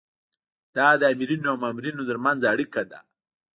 دا د آمرینو او مامورینو ترمنځ اړیکه ده.